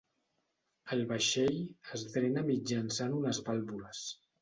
El vaixell es drena mitjançant unes vàlvules.